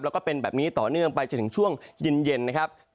แล้วก็เป็นแบบนี้ต่อเนื่องไปจนถึงช่วงเย็นนะครับ